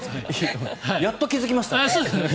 やっと気付きましたね。